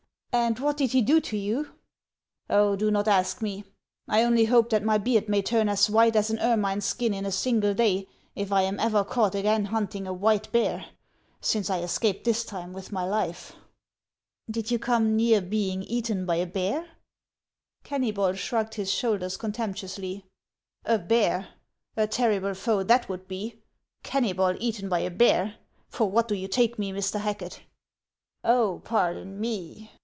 and what did he do to you ?"" Oh, do not ask me. I only hope that my beard may turn as white as an ermine's skin in a single day if I am o */ ever caught again hunting a white bear, since I escaped this time with my life." " Did you come near being eaten by a bear ?" Kenuybol shrugged his shoulders contemptuously. li A bear ! a terrible foe that would be ! Kennybol eaten by a bear ! For what do you take me, Mr. Hacket ?"" Oh, pardon me